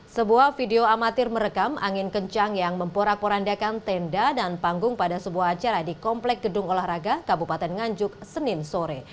sebuah video amatir merekam angin kencang yang memporak porandakan tenda dan panggung pada sebuah acara di komplek gedung olahraga kabupaten nganjuk senin sore